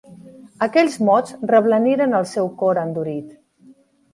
Aquells mots reblaniren el seu cor endurit.